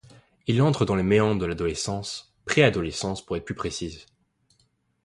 Il entre dans les méandres de l'adolescence, préadolescence pour être plus précise.